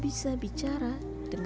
aku mau berusaha dulu